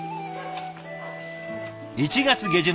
１月下旬。